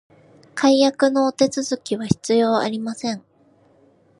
解約のお手続きは必要ありません